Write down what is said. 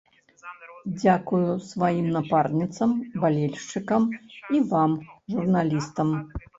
Дзякую сваім напарніцам, балельшчыкам і вам, журналістам.